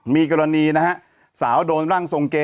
มีกรณีนะฮะสาวโดนร่างทรงเก